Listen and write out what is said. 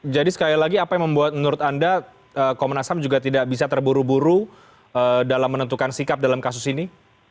jadi sekali lagi apa yang membuat menurut anda komnas ham juga tidak bisa terburu buru dalam menentukan sikap dalam kasus ini